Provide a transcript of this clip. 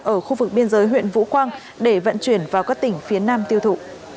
ở khu vực biên giới huyện vũ quang để vận chuyển vào các tỉnh phía nam tiêu thụ